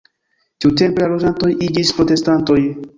Tiutempe la loĝantoj iĝis protestantoj.